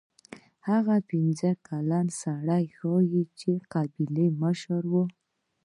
هغه پنځوس کلن سړی ښايي د قبیلې مشر و.